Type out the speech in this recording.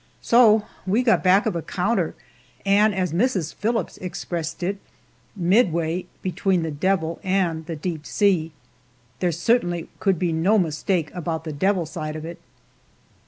So we got back of a counter, and, as Mrs. Phillips expressed it, "midway between the devil and the deep sea." There certainly could be no mistake about the "devil" side of it!